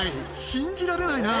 信じられないな。